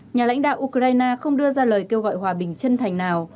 nhà lãnh đạo ukraine không đưa ra lời kêu gọi hòa bình chân thành nào